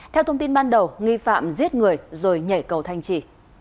theo thông tin ban đầu nghi phạm giết người rồi nhảy cầu thanh trì